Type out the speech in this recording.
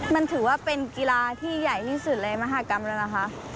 มันถือว่าเป็นกีฬาที่ใหญ่ที่สุดในมหากรรมแล้วนะคะ